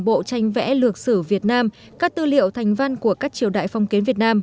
bộ tranh vẽ lược sử việt nam các tư liệu thành văn của các triều đại phong kiến việt nam